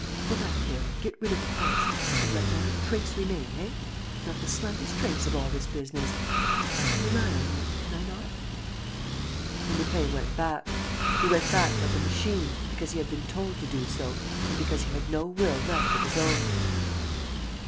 ... Go back there. ... Get rid of the corpse. ... And let not a trace remain, eh? Not the slightest trace of all this business. ... I can rely on you, can I not?" And Lupin went back. He went back like a machine, because he had been told to do so and because he had no will left of his own.